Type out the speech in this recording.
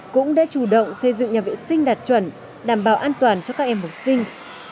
cũng đã chủ động xây dựng nhà vệ sinh đạt chuẩn đảm bảo an toàn cho các em học sinh